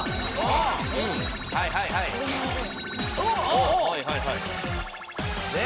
はいはいはいで？